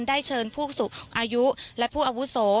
ได้เชิญผู้สูงอายุและผู้อาวุโส